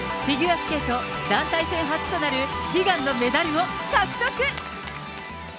フィギュアスケート団体戦初となる悲願のメダルを獲得。